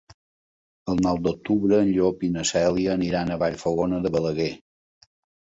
El nou d'octubre en Llop i na Cèlia aniran a Vallfogona de Balaguer.